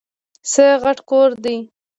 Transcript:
څه غټ کور دی ؟!